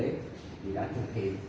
thì đã trực tiếp